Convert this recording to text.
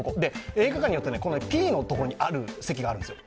映画館によって、Ｐのところにある席があるんですよ。